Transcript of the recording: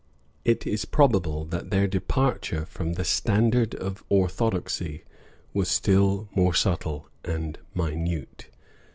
It is probable that their departure from the standard of orthodoxy was still more subtile and minute.